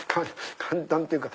簡単っていうか。